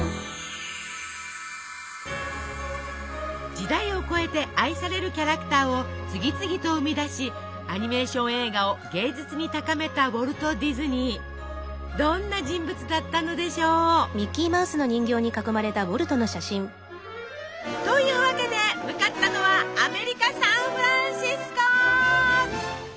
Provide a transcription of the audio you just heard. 時代を超えて愛されるキャラクターを次々と生み出しアニメーション映画を芸術に高めたどんな人物だったのでしょう？というわけで向かったのはアメリカ・サンフランシスコ！